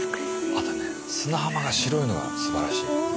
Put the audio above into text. あとね砂浜が白いのがすばらしい。